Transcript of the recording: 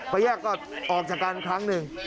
แยกก็ออกจากกันครั้งหนึ่ง